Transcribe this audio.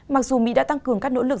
mặc dù mỹ đã tăng cường các nỗ lực